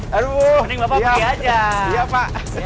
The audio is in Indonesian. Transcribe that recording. mending bapak pergi aja